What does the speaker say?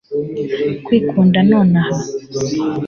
kwikunda nonaha